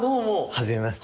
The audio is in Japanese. はじめまして。